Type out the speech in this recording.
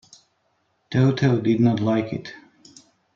Toto did not like it.